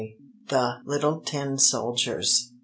THE LITTLE TIN SOLDIERS.